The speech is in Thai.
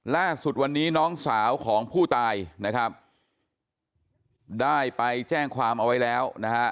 ล่าสุดวันนี้น้องสาวของผู้ตายนะครับได้ไปแจ้งความเอาไว้แล้วนะฮะ